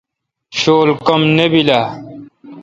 شول کم نہ بیل اؘ۔